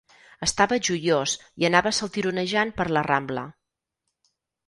Estava joiós i anava saltironejant per la rambla.